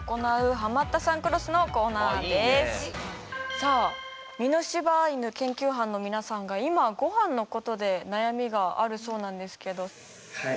さあ美濃柴犬研究班の皆さんが今ごはんのことで悩みがあるそうなんですけど。